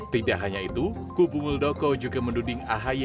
tidak hanya itu kubu muldoko juga menduding ahy